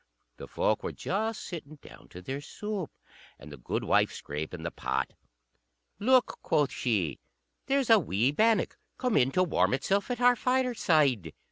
The folk were just sitting down to their soup, and the goodwife scraping the pot. "Look," quoth she, "there's a wee bannock come in to warm itself at our fireside."